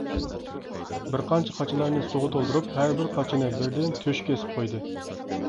بىرقانچە قاچىلارنى سۇغا تولدۇرۇپ، ھەر بىر قاچىنى بىردىن تۆشۈككە ئېسىپ قويدى.